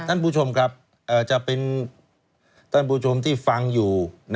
ท่านผู้ชมครับจะเป็นท่านผู้ชมที่ฟังอยู่